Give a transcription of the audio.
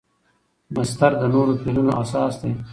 مصدر د نورو فعلونو اساس دئ.